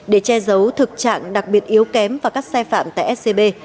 để che giấu thực trạng đặc biệt yếu kém và các sai phạm tại scb